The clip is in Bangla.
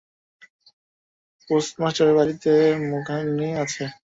পোস্টমাস্টারের বাড়িতে মুখাগ্নি আছে।